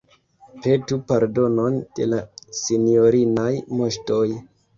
Petu pardonon de la sinjorinaj Moŝtoj.